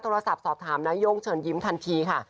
สอบถามนาย่งเชิญยิ้มทันทีค่ะ